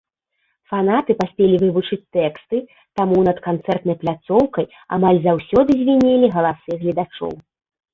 Фанаты паспелі вывучыць тэксты, таму над канцэртнай пляцоўкай амаль заўсёды звінелі галасы гледачоў.